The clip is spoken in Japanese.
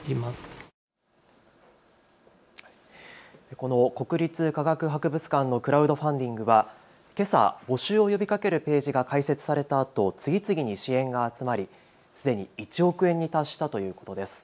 この国立科学博物館のクラウドファンディングはけさ、募集を呼びかけるページが開設されたあと、次々に支援が集まりすでに１億円に達したということです。